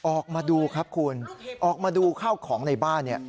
ออกมาดูครับคุณออกมาดูข้าวของในบ้านเนี่ย